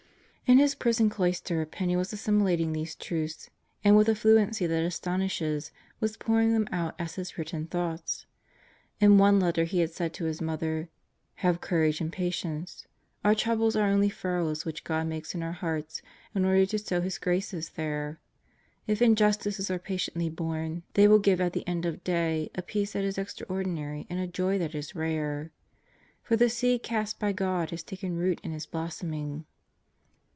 In his prison cloister Penney was assimilating these truths and, with a fluency that astonishes, was pouring them out as his written thoughts. In one letter he had said to his mother: "Have courage and patience. ... Our troubles are only furrows which God makes in our hearts in order to sow His graces there. If in justices are patiently borne they will give at the end of day a peace that is extraordinary and a joy that is rare; for the seed cast by God has taken root and is blossoming."